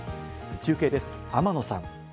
中継です、天野さん。